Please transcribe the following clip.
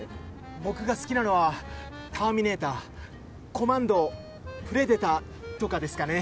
僕が好きなのは『ターミネーター』『コマンドー』『プレデター』とかですかね。